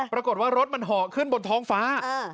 ปรากฏว่ารถมันห่อขึ้นบนท้องฟ้า